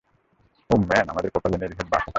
ওহ, man, আমাদের কপালে নির্ঘাত বাঁশ আছে।